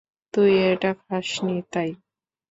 তুই এটা খাসনি, তাই।